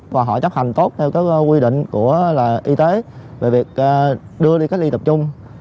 và họ chấp hành tốt theo các quy định của y tế về việc đưa đi cách ly tập trung